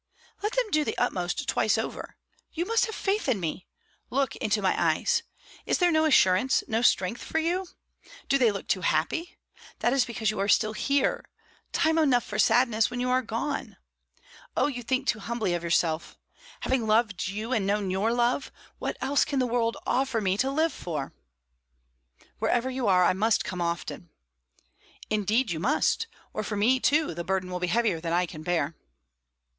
"Let them do the utmost twice over! You must have faith in me. Look into my eyes. Is there no assurance, no strength for you? Do they look too happy? That is because you are still here; time enough for sadness when you are gone. Oh, you think too humbly of yourself! Having loved you, and known your love, what else can the world offer me to live for?" "Wherever you are, I must come often." "Indeed you must, or for me too the burden will be heavier than I can bear."